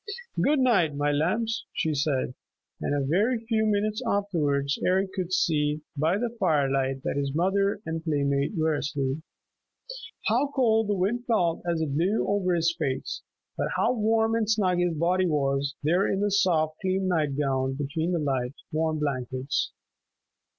"Good night, my lambs," she said, and a very few minutes afterwards Eric could see by the firelight that his mother and playmate were asleep. How cold the wind felt as it blew over his face! But how warm and snug his body was, there in the soft, clean night gown between the light, warm blankets!